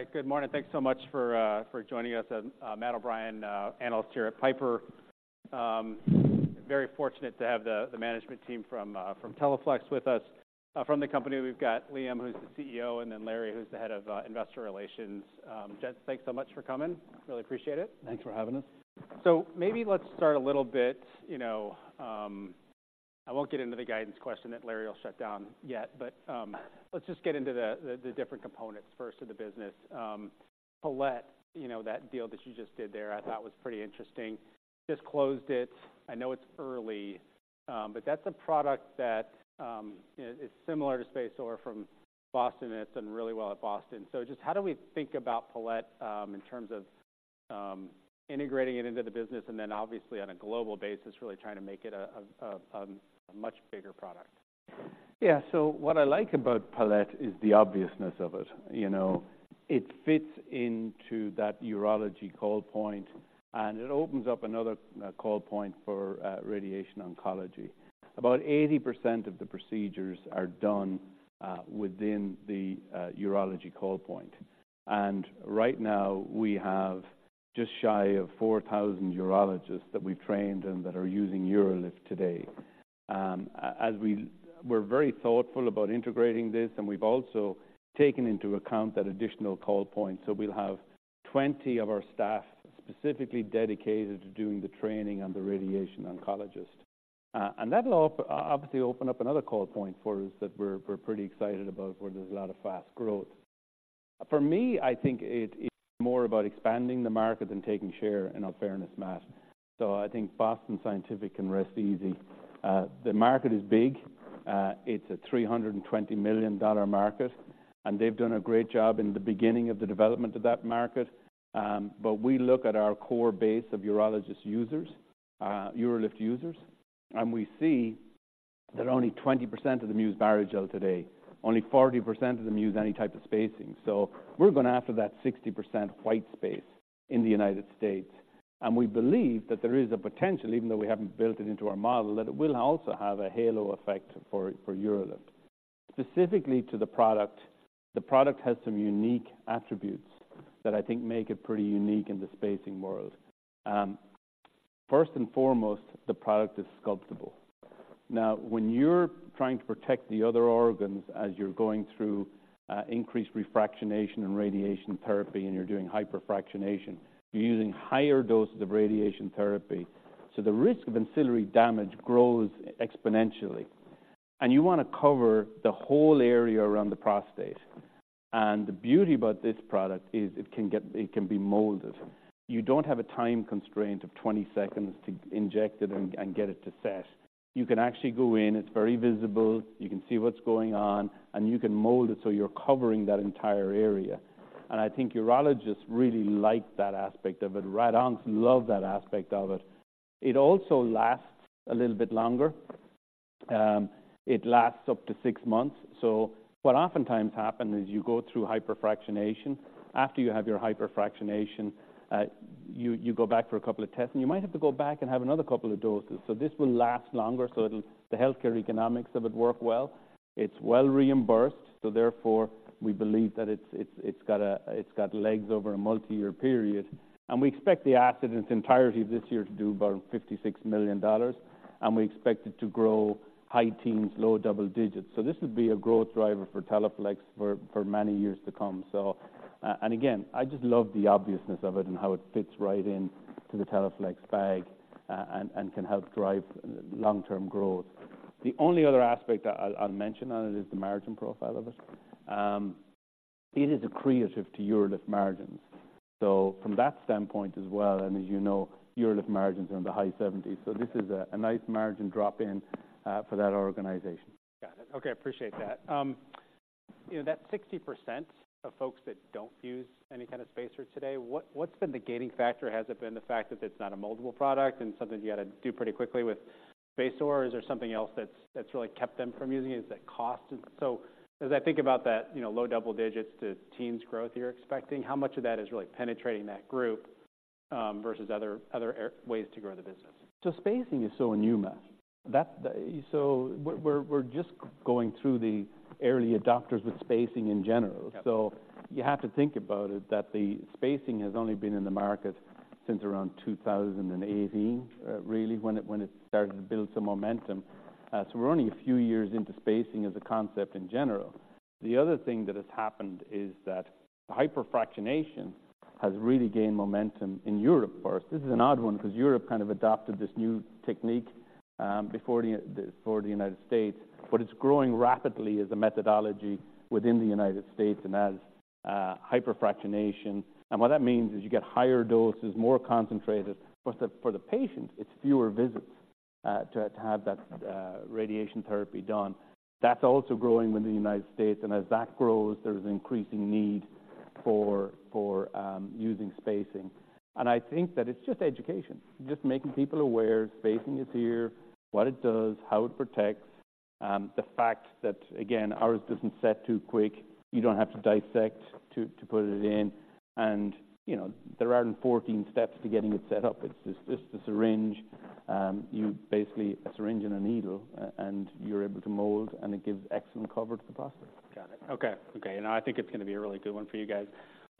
All right. Good morning. Thanks so much for joining us. Matt O'Brien, analyst here at Piper. Very fortunate to have the management team from Teleflex with us. From the company, we've got Liam, who's the CEO, and then Larry, who's the head of investor relations. Gents, thanks so much for coming. Really appreciate it. Thanks for having us. So maybe let's start a little bit, you know. I won't get into the guidance question that Larry will shut down yet, but let's just get into the different components first to the business. Palette, you know, that deal that you just did there, I thought was pretty interesting. Just closed it. I know it's early, but that's a product that is similar to SpaceOAR from Boston, and it's done really well at Boston. So just how do we think about Palette in terms of integrating it into the business and then obviously on a global basis, really trying to make it a much bigger product? Yeah. So what I like about Palette is the obviousness of it. You know, it fits into that urology call point, and it opens up another call point for radiation oncology. About 80% of the procedures are done within the urology call point. And right now, we have just shy of 4,000 urologists that we've trained and that are using UroLift today. As we're very thoughtful about integrating this, and we've also taken into account that additional call point. So we'll have 20 of our staff specifically dedicated to doing the training on the radiation oncologist. And that'll obviously open up another call point for us that we're pretty excited about, where there's a lot of fast growth. For me, I think it's more about expanding the market than taking share in fairness, Matt. So I think Boston Scientific can rest easy. The market is big. It's a $320 million market, and they've done a great job in the beginning of the development of that market. But we look at our core base of urologist users, UroLift users, and we see that only 20% of them use Barrigel today. Only 40% of them use any type of spacing. So we're going after that 60% white space in the United States, and we believe that there is a potential, even though we haven't built it into our model, that it will also have a halo effect for, for UroLift. Specifically to the product, the product has some unique attributes that I think make it pretty unique in the spacing world. First and foremost, the product is sculptable. Now, when you're trying to protect the other organs as you're going through increased fractionation and radiation therapy, and you're doing hypofractionation, you're using higher doses of radiation therapy. So the risk of ancillary damage grows exponentially, and you want to cover the whole area around the prostate. And the beauty about this product is it can be molded. You don't have a time constraint of 20 seconds to inject it and get it to set. You can actually go in, it's very visible, you can see what's going on, and you can mold it, so you're covering that entire area. And I think urologists really like that aspect of it. Rad oncs love that aspect of it. It also lasts a little bit longer. It lasts up to six months. So what oftentimes happens is you go through hypofractionation. After you have your hypofractionation, you go back for a couple of tests, and you might have to go back and have another couple of doses. So this will last longer, so the healthcare economics of it work well. It's well reimbursed, so therefore, we believe that it's got legs over a multi-year period. We expect the asset in its entirety this year to do about $56 million, and we expect it to grow high teens, low double digits. So this would be a growth driver for Teleflex for many years to come. And again, I just love the obviousness of it and how it fits right in to the Teleflex bag, and can help drive long-term growth. The only other aspect I'll mention on it is the margin profile of it. It is accretive to UroLift margins. So from that standpoint as well, and as you know, UroLift margins are in the high 70s%. So this is a nice margin drop in, for that organization. Got it. Okay, appreciate that. You know, that 60% of folks that don't use any kind of spacer today, what, what's been the gating factor? Has it been the fact that it's not a moldable product and something you got to do pretty quickly with SpaceOAR? Or is there something else that's, that's really kept them from using it? Is that cost? So as I think about that, you know, low double digits to teens growth you're expecting, how much of that is really penetrating that group, versus other ways to grow the business? Spacing is so new, Matt. So we're just going through the early adopters with spacing in general. Yeah. So you have to think about it, that the spacing has only been in the market since around 2018, really, when it started to build some momentum. So we're only a few years into spacing as a concept in general. The other thing that has happened is that hypofractionation has really gained momentum in Europe first. This is an odd one because Europe kind of adopted this new technique before the United States, but it's growing rapidly as a methodology within the United States and as hypofractionation. And what that means is you get higher doses, more concentrated. For the patient, it's fewer visits to have that radiation therapy done. That's also growing within the United States, and as that grows, there's an increasing need for using spacing. I think that it's just education, just making people aware spacing is here, what it does, how it protects, the fact that, again, ours doesn't set too quick, you don't have to dissect to put it in, and, you know, there aren't 14 steps to getting it set up. It's just a syringe, you basically a syringe and a needle, and you're able to mold, and it gives excellent coverage to the prostate. Got it. Okay. Okay, and I think it's going to be a really good one for you guys.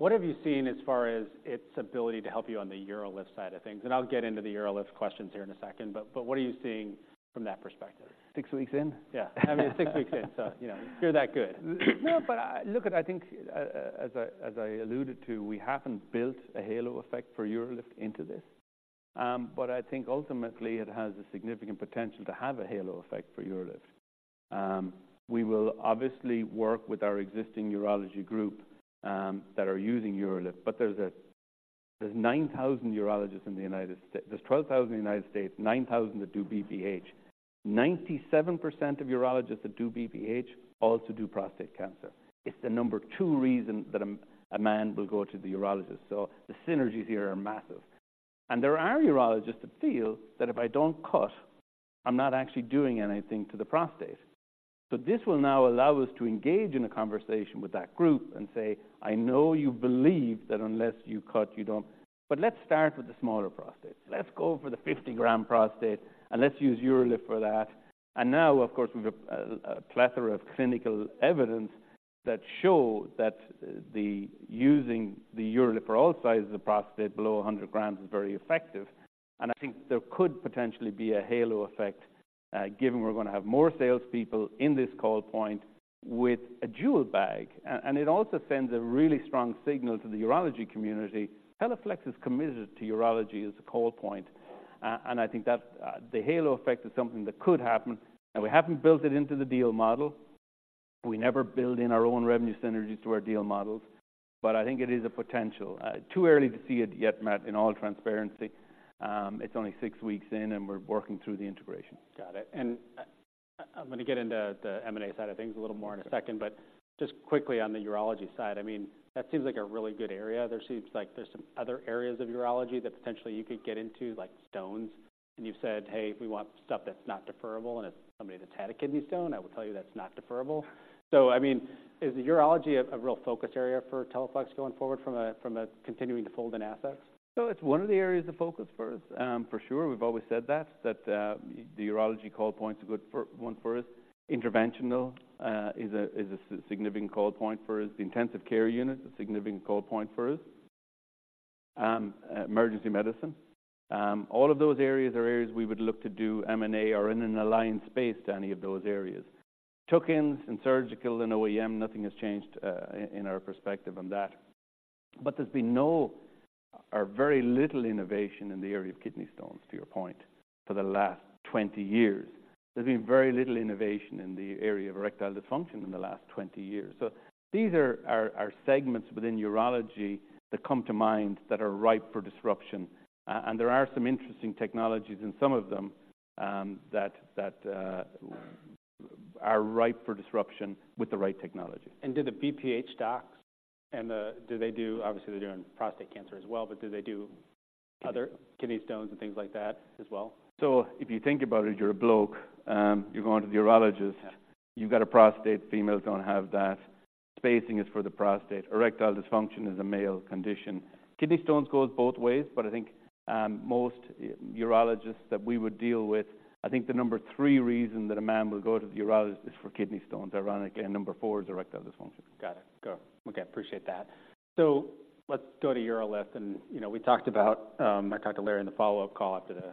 What have you seen as far as its ability to help you on the UroLift side of things? And I'll get into the UroLift questions here in a second, but what are you seeing from that perspective? Six weeks in? Yeah. I mean, six weeks in, so, you know, you're that good. No, but look, I think, as I alluded to, we haven't built a halo effect for UroLift into this, but I think ultimately it has a significant potential to have a halo effect for UroLift. We will obviously work with our existing urology group that are using UroLift, but there's—there's 9,000 urologists in the United States—there's 12,000 in the United States, 9,000 that do BPH. 97% of urologists that do BPH also do prostate cancer. It's the number two reason that a man will go to the urologist, so the synergies here are massive. And there are urologists that feel that if I don't cut, I'm not actually doing anything to the prostate. So this will now allow us to engage in a conversation with that group and say: I know you believe that unless you cut, you don't... But let's start with the smaller prostates. Let's go for the 50-gram prostate, and let's use UroLift for that. And now, of course, we've a plethora of clinical evidence that show that the using the UroLift for all sizes of prostate below 100 grams is very effective. And I think there could potentially be a halo effect, given we're going to have more salespeople in this call point with a dual bag. And it also sends a really strong signal to the urology community, Teleflex is committed to urology as a call point. And I think that, the halo effect is something that could happen, and we haven't built it into the deal model. We never build in our own revenue synergies to our deal models, but I think it is a potential. Too early to see it yet, Matt, in all transparency. It's only six weeks in, and we're working through the integration. Got it. And, I'm going to get into the M&A side of things a little more in a second. Okay. But just quickly on the urology side, I mean, that seems like a really good area. There seems like there's some other areas of urology that potentially you could get into, like stones, and you've said, "Hey, we want stuff that's not deferrable." And as somebody that's had a kidney stone, I will tell you that's not deferrable. So I mean, is urology a real focus area for Teleflex going forward from a continuing to fold in assets? So it's one of the areas of focus for us. For sure, we've always said that the urology call point is a good for one for us. Interventional is a significant call point for us. The intensive care unit, a significant call point for us, emergency medicine. All of those areas are areas we would look to do M&A or in an alliance space to any of those areas. Tuck-ins and Surgical and OEM, nothing has changed in our perspective on that. But there's been no or very little innovation in the area of kidney stones, to your point, for the last 20 years. There's been very little innovation in the area of erectile dysfunction in the last 20 years. So these are segments within urology that come to mind that are ripe for disruption. There are some interesting technologies in some of them that are ripe for disruption with the right technology. Do the BPH docs and the... Do they do, obviously, they're doing prostate cancer as well, but do they do other kidney stones and things like that as well? So if you think about it, you're a bloke, you're going to the urologist, you've got a prostate, females don't have that. Spacing is for the prostate. Erectile dysfunction is a male condition. Kidney stones goes both ways, but I think, most urologists that we would deal with, I think the number three reason that a man will go to the urologist is for kidney stones. Ironically, number four is erectile dysfunction. Got it. Good. Okay, appreciate that. So let's go to UroLift. And, you know, we talked about, I talked to Larry in the follow-up call after the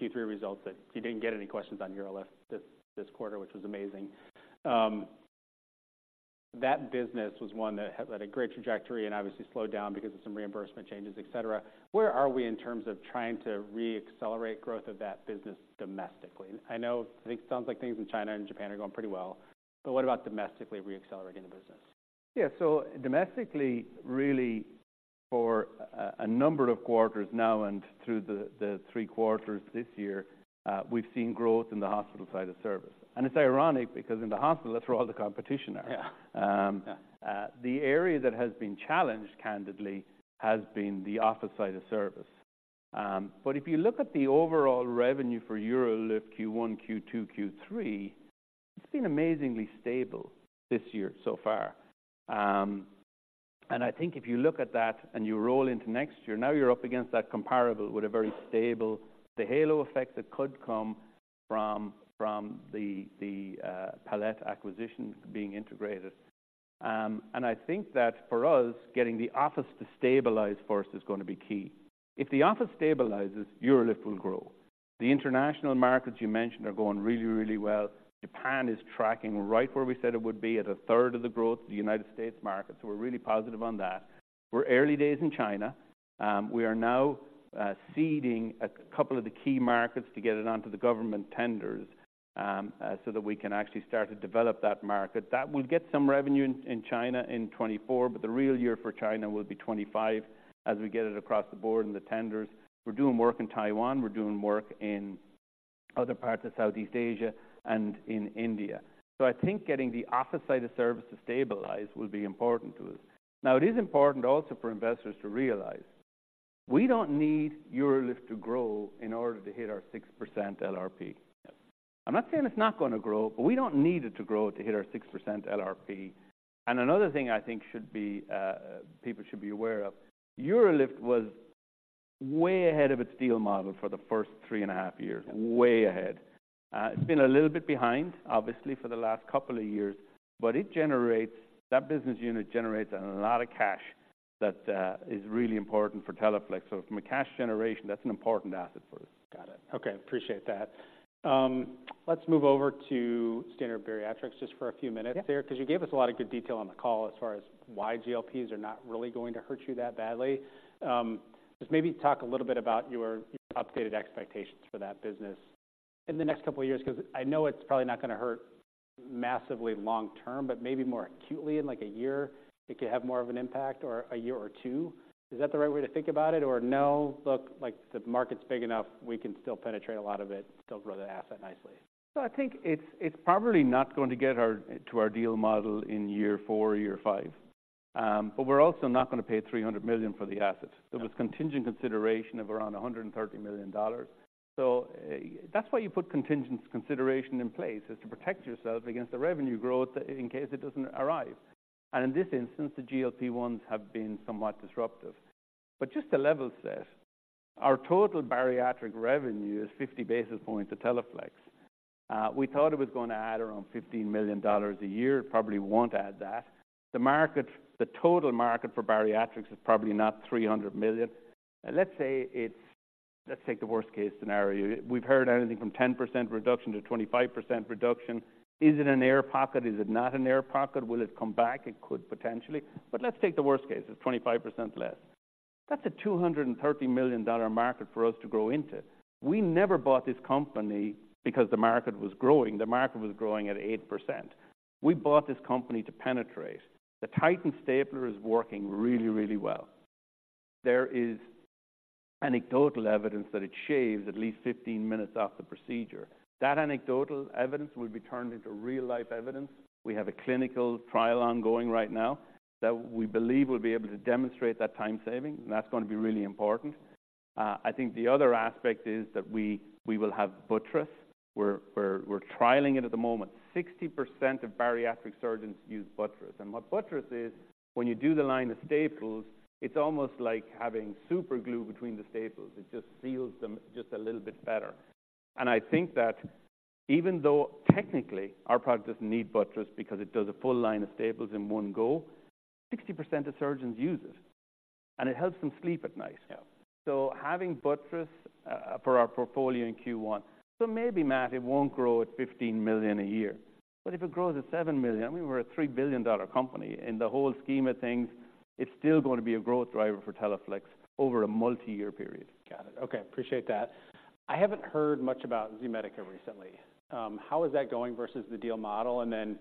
Q3 results, that he didn't get any questions on UroLift this quarter, which was amazing. That business was one that had a great trajectory and obviously slowed down because of some reimbursement changes, etc. Where are we in terms of trying to re-accelerate growth of that business domestically? I know, I think it sounds like things in China and Japan are going pretty well, but what about domestically re-accelerating the business? Yeah, so domestically, really for a number of quarters now and through the three quarters this year, we've seen growth in the hospital side of service. It's ironic because in the hospital, that's where all the competition are. Yeah. Um- Yeah. The area that has been challenged, candidly, has been the office side of service. But if you look at the overall revenue for UroLift Q1, Q2, Q3, it's been amazingly stable this year so far. And I think if you look at that and you roll into next year, now you're up against that comparable with a very stable... The halo effect that could come from the Palette acquisition being integrated. And I think that for us, getting the office to stabilize first is going to be key. If the office stabilizes, UroLift will grow. The international markets you mentioned are going really, really well. Japan is tracking right where we said it would be, at a third of the growth of the United States market, so we're really positive on that. We're early days in China. We are now seeding a couple of the key markets to get it onto the government tenders, so that we can actually start to develop that market. That will get some revenue in, in China in 2024, but the real year for China will be 2025, as we get it across the board in the tenders. We're doing work in Taiwan, we're doing work in other parts of Southeast Asia and in India. So I think getting the office side of service to stabilize will be important to us. Now, it is important also for investors to realize. We don't need UroLift to grow in order to hit our 6% LRP. I'm not saying it's not going to grow, but we don't need it to grow to hit our 6% LRP. Another thing I think should be, people should be aware of, UroLift was way ahead of its ideal model for the first 3.5 years. Way ahead. It's been a little bit behind, obviously, for the last couple of years, but it generates. That business unit generates a lot of cash that is really important for Teleflex. So from a cash generation, that's an important asset for us. Got it. Okay, appreciate that. Let's move over to Standard Bariatrics just for a few minutes there. Yeah. Because you gave us a lot of good detail on the call as far as why GLPs are not really going to hurt you that badly. Just maybe talk a little bit about your, your updated expectations for that business in the next couple of years, because I know it's probably not going to hurt massively long term, but maybe more acutely in, like, a year, it could have more of an impact or a year or two. Is that the right way to think about it? Or no, look, like, the market's big enough, we can still penetrate a lot of it, still grow the asset nicely. So I think it's probably not going to get our- to our deal model in year four or year five. But we're also not going to pay $300 million for the asset. Okay. There was contingent consideration of around $130 million. So that's why you put contingent consideration in place, is to protect yourself against the revenue growth in case it doesn't arrive. And in this instance, the GLP-1s have been somewhat disruptive. But just to level set, our total bariatric revenue is 50 basis points to Teleflex. We thought it was going to add around $15 million a year, probably won't add that. The market, the total market for bariatrics is probably not $300 million. Let's say it's... Let's take the worst-case scenario. We've heard anything from 10%-25% reduction. Is it an air pocket? Is it not an air pocket? Will it come back? It could, potentially. But let's take the worst case, it's 25% less. That's a $230 million market for us to grow into. We never bought this company because the market was growing. The market was growing at 8%. We bought this company to penetrate. The Titan Stapler is working really, really well. There is anecdotal evidence that it shaves at least 15 minutes off the procedure. That anecdotal evidence will be turned into real-life evidence. We have a clinical trial ongoing right now that we believe will be able to demonstrate that time saving, and that's going to be really important. I think the other aspect is that we will have buttress. We're trialing it at the moment. 60% of bariatric surgeons use buttress. And what buttress is, when you do the line of staples, it's almost like having superglue between the staples. It just seals them just a little bit better. I think that even though technically our product doesn't need buttress because it does a full line of staples in one go, 60% of surgeons use it, and it helps them sleep at night. Yeah. So having buttress for our portfolio in Q1... So maybe, Matt, it won't grow at $15 million a year, but if it grows at $7 million, I mean, we're a $3 billion company. In the whole scheme of things, it's still going to be a growth driver for Teleflex over a multi-year period. Got it. Okay, appreciate that. I haven't heard much about Z-Medica recently. How is that going versus the deal model? And then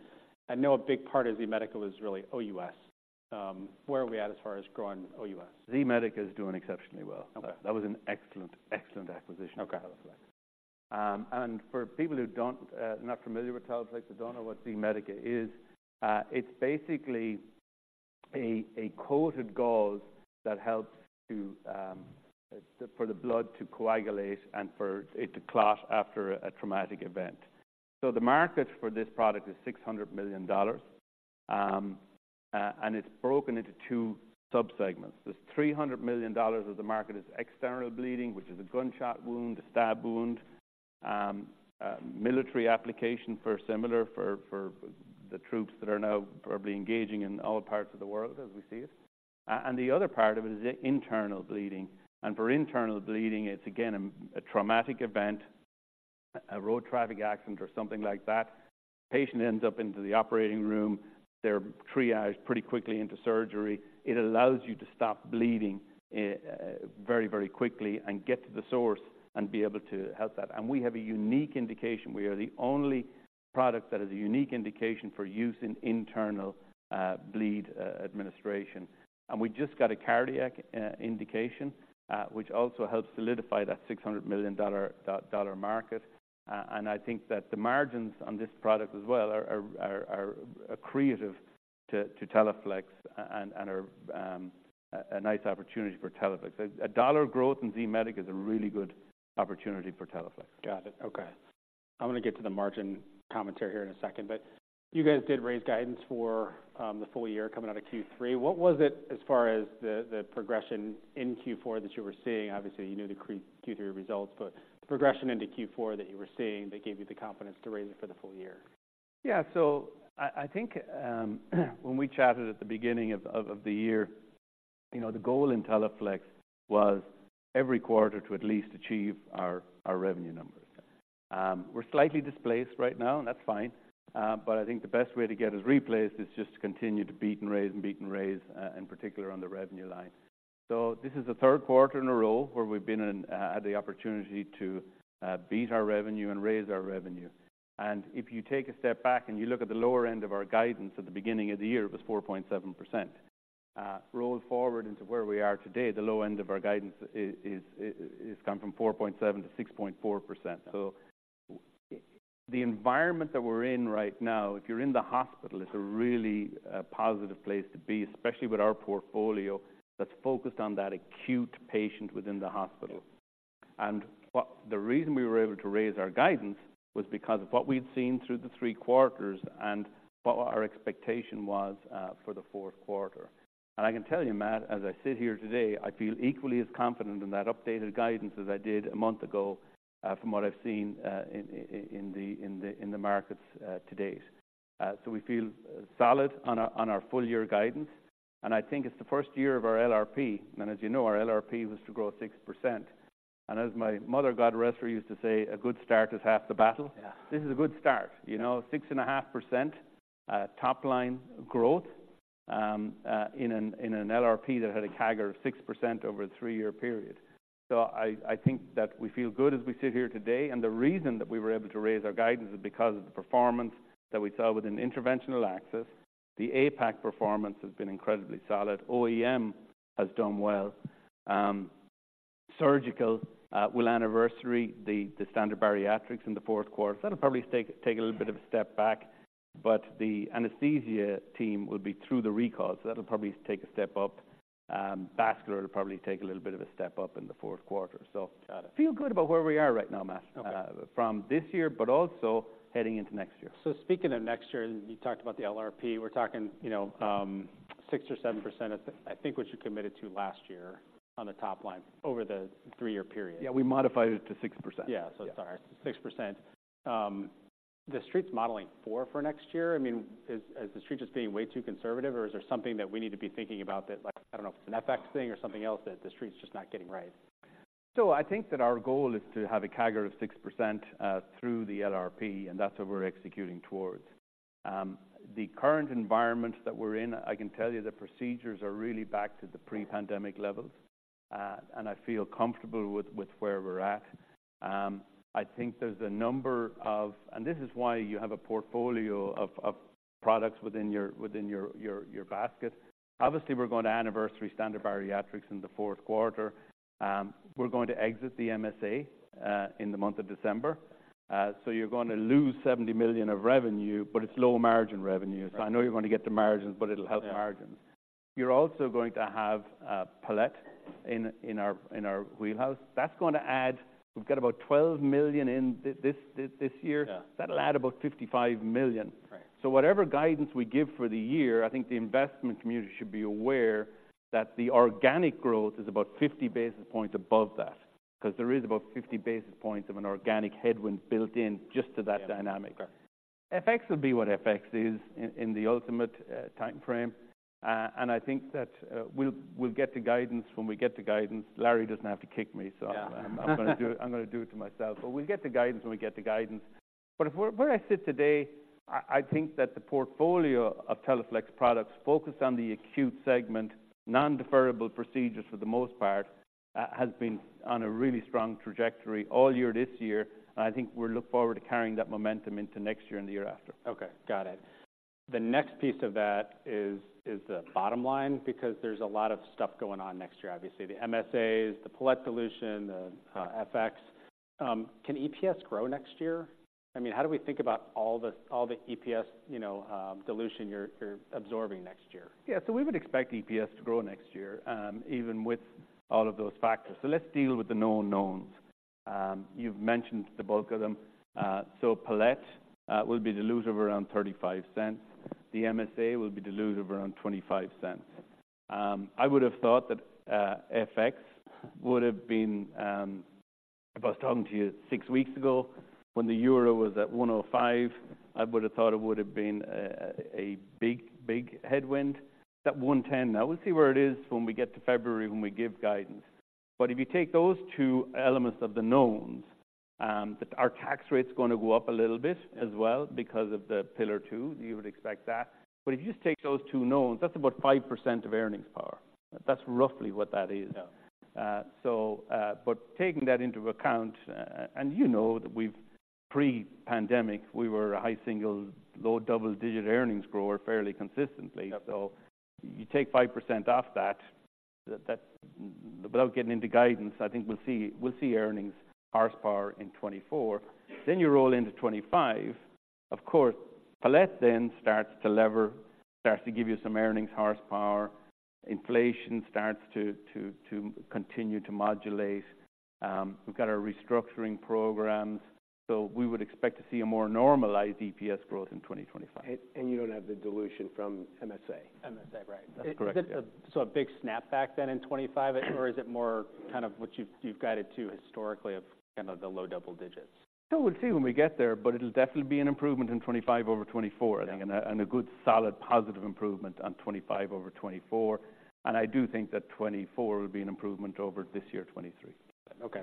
I know a big part of Z-Medica is really OUS. Where are we at as far as growing OUS? Z-Medica is doing exceptionally well. Okay. That was an excellent, excellent acquisition. Okay. For people who don't not familiar with Teleflex that don't know what Z-Medica is, it's basically a coated gauze that helps to for the blood to coagulate and for it to clot after a traumatic event. So the market for this product is $600 million, and it's broken into two subsegments. There's $300 million of the market is external bleeding, which is a gunshot wound, a stab wound, military application for the troops that are now probably engaging in all parts of the world as we see it. And the other part of it is the internal bleeding. And for internal bleeding, it's again a traumatic event, a road traffic accident or something like that. Patient ends up into the operating room. They're triaged pretty quickly into surgery. It allows you to stop bleeding very, very quickly and get to the source and be able to help that. And we have a unique indication. We are the only product that has a unique indication for use in internal bleed administration. And we just got a cardiac indication, which also helps solidify that $600 million market. And I think that the margins on this product as well are accretive to Teleflex and are a nice opportunity for Teleflex. A dollar growth in Z-Medica is a really good opportunity for Teleflex. Got it. Okay. I'm going to get to the margin commentary here in a second, but you guys did raise guidance for the full year coming out of Q3. What was it as far as the progression in Q4 that you were seeing? Obviously, you knew the Q3 results, but the progression into Q4 that you were seeing that gave you the confidence to raise it for the full year. Yeah. So I think, when we chatted at the beginning of the year, you know, the goal in Teleflex was every quarter to at least achieve our revenue numbers. We're slightly displaced right now, and that's fine, but I think the best way to get us replaced is just to continue to beat and raise, and beat and raise, in particular on the revenue line. So this is the third quarter in a row where we've had the opportunity to beat our revenue and raise our revenue. And if you take a step back and you look at the lower end of our guidance at the beginning of the year, it was 4.7%. Roll forward into where we are today, the low end of our guidance is from 4.7%-6.4%. The environment that we're in right now, if you're in the hospital, it's a really positive place to be, especially with our portfolio that's focused on that acute patient within the hospital. And the reason we were able to raise our guidance was because of what we'd seen through the three quarters and what our expectation was for the fourth quarter. And I can tell you, Matt, as I sit here today, I feel equally as confident in that updated guidance as I did a month ago from what I've seen in the markets to date. So we feel solid on our full year guidance, and I think it's the first year of our LRP, and as you know, our LRP was to grow 6%. And as my mother, God rest her, used to say, "A good start is half the battle. Yeah. This is a good start. You know, 6.5% top line growth in an LRP that had a CAGR of 6% over a three-year period. So I think that we feel good as we sit here today, and the reason that we were able to raise our guidance is because of the performance that we saw within Interventional Access. The APAC performance has been incredibly solid. OEM has done well. Surgical will anniversary the Standard Bariatrics in the fourth quarter. That'll probably take a little bit of a step back, but the Anesthesia team will be through the recall, so that'll probably take a step up. Vascular will probably take a little bit of a step up in the fourth quarter. So- Got it. Feel good about where we are right now, Matt- Okay. from this year, but also heading into next year. Speaking of next year, you talked about the LRP. We're talking, you know, 6%-7%, I think, which you committed to last year on the top line over the three-year period. Yeah, we modified it to 6%. Yeah. Yeah. So sorry, 6%. The Street's modeling 4% for next year. I mean, is the Street just being way too conservative, or is there something that we need to be thinking about that, like, I don't know, if it's an FX thing or something else that the Street's just not getting right? So I think that our goal is to have a CAGR of 6% through the LRP, and that's what we're executing towards. The current environment that we're in, I can tell you the procedures are really back to the pre-pandemic levels, and I feel comfortable with where we're at. I think there's a number of... And this is why you have a portfolio of products within your basket. Obviously, we're going to anniversary Standard Bariatrics in the fourth quarter. We're going to exit the MSA in the month of December. So you're going to lose $70 million of revenue, but it's low-margin revenue. Right. I know you're going to get the margins, but it'll help margins. Yeah. You're also going to have Palette in our wheelhouse. That's going to add... We've got about $12 million in this year. Yeah. That'll add about $55 million. Right. Whatever guidance we give for the year, I think the investment community should be aware that the organic growth is about 50 basis points above that, because there is about 50 basis points of an organic headwind built in just to that dynamic. Yeah. Okay. FX will be what FX is in the ultimate timeframe. I think that we'll get to guidance when we get to guidance. Larry doesn't have to kick me- Yeah. So I'm gonna do it, I'm gonna do it to myself. But we'll get to guidance when we get to guidance. But if... Where I sit today, I think that the portfolio of Teleflex products focused on the acute segment, non-deferrable procedures for the most part, has been on a really strong trajectory all year this year. And I think we look forward to carrying that momentum into next year and the year after. Okay, got it. The next piece of that is the bottom line, because there's a lot of stuff going on next year. Obviously, the MSAs, the Palette dilution, the FX. Can EPS grow next year? I mean, how do we think about all the EPS, you know, dilution you're absorbing next year? Yeah. So we would expect EPS to grow next year, even with all of those factors. So let's deal with the known unknowns. You've mentioned the bulk of them. So Palette will be dilutive around $0.35. The MSA will be dilutive around $0.25. I would have thought that, FX would have been... If I was talking to you six weeks ago, when the euro was at 105, I would have thought it would have been a big, big headwind. It's at 110 now. We'll see where it is when we get to February, when we give guidance. But if you take those two elements of the knowns, that our tax rate's gonna go up a little bit as well, because of Pillar Two, you would expect that. If you just take those two knowns, that's about 5% of earnings power. That's roughly what that is. Yeah. But taking that into account, and you know that we've pre-pandemic, we were a high single, low double-digit earnings grower, fairly consistently. Yep. So you take 5% off that... Without getting into guidance, I think we'll see earnings horsepower in 2024. Then you roll into 2025, of course, Palette then starts to lever, starts to give you some earnings horsepower, inflation starts to continue to modulate. We've got our restructuring programs, so we would expect to see a more normalized EPS growth in 2025. You don't have the dilution from MSA. MSA, right. That's correct. Is it, so a big snapback then in 2025, or is it more kind of what you've, you've guided to historically of, kind of the low double digits? We'll see when we get there, but it'll definitely be an improvement in 2025 over 2024, I think. Yeah. And a good, solid, positive improvement on 2025 over 2024. And I do think that 2024 will be an improvement over this year, 2023. Okay,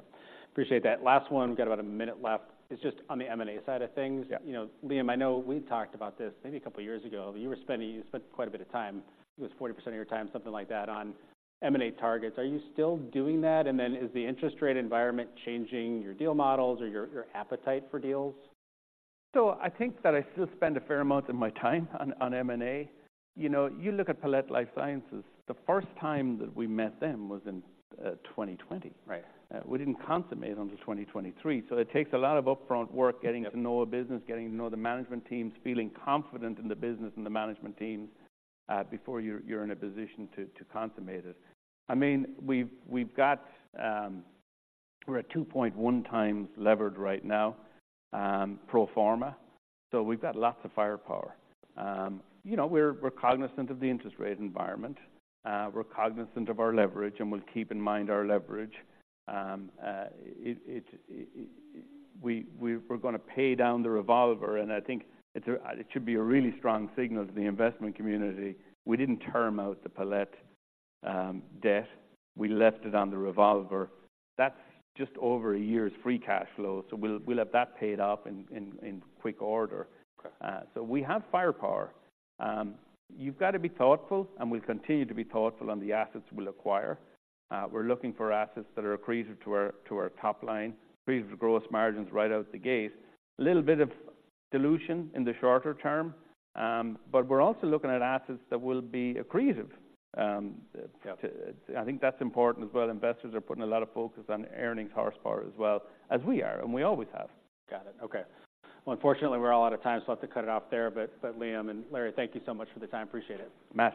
appreciate that. Last one, we've got about a minute left. It's just on the M&A side of things. Yeah. You know, Liam, I know we talked about this maybe a couple of years ago. You were spending- you spent quite a bit of time, it was 40% of your time, something like that, on M&A targets. Are you still doing that? And then, is the interest rate environment changing your deal models or your, your appetite for deals? I think that I still spend a fair amount of my time on M&A. You know, you look at Palette Life Sciences, the first time that we met them was in 2020. Right. We didn't consummate until 2023. So it takes a lot of upfront work, getting- Yeah To know a business, getting to know the management teams, feeling confident in the business and the management team, before you're in a position to consummate it. I mean, we've got, we're at 2.1x levered right now, pro forma, so we've got lots of firepower. You know, we're cognizant of the interest rate environment, we're cognizant of our leverage, and we'll keep in mind our leverage. We're gonna pay down the revolver, and I think it should be a really strong signal to the investment community. We didn't term out the Palette debt. We left it on the revolver. That's just over a year's free cash flow, so we'll have that paid off in quick order. Okay. So we have firepower. You've got to be thoughtful, and we'll continue to be thoughtful on the assets we'll acquire. We're looking for assets that are accretive to our, to our top line, accretive to gross margins right out the gate. A little bit of dilution in the shorter term, but we're also looking at assets that will be accretive, to- Yeah. I think that's important as well. Investors are putting a lot of focus on earnings horsepower as well, as we are, and we always have. Got it. Okay. Well, unfortunately, we're all out of time, so I have to cut it off there. But, Liam and Larry, thank you so much for the time. Appreciate it. Matt.